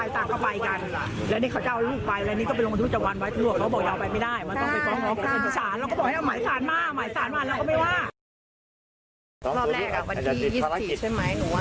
ทั้งฝ่ายย่าแล้วก็อดิตลูกสะพายหรือว่าแม่ของเด็กค่ะ